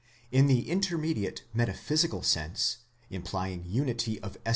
In the intermediate, metaphysical sense, implying unity of essence ® Comp.